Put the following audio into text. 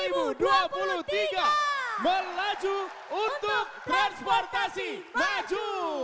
dua ribu dua puluh tiga melaju untuk transportasi maju